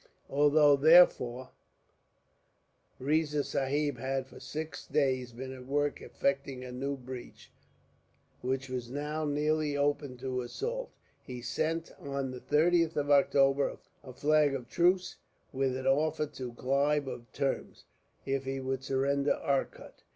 Although, therefore, Riza Sahib had for six days been at work effecting a new breach, which was now nearly open to assault, he sent on the 30th of October a flag of truce, with an offer to Clive of terms, if he would surrender Arcot.